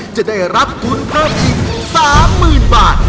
จะได้รับทุนเพิ่มอีก๓๐๐๐บาท